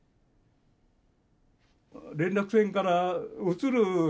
連絡船から移る時にね